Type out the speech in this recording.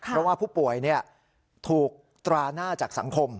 เพราะว่าผู้ป่วยถูกตราหน้าจากสังคม